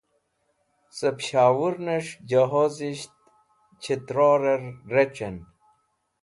Ce Peshowurnes̃h Johozisht Chitrer Rec̃hen